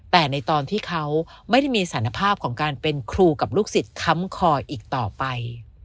แต่ในตอนที่เขาไม่ได้มีสารภาพของการเป็นครูกับลูกศิษย์ค้ำคออีกต่อไป